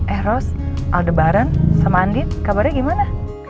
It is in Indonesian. eh ros aldebaran sama andin kabarnya gimana